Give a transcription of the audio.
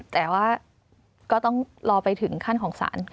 แต่ว่าก็ต้องรอไปถึงขั้นของศาล